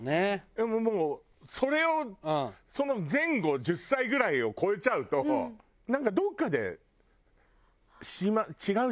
でももうそれをその前後１０歳ぐらいを超えちゃうとなんかどっかで。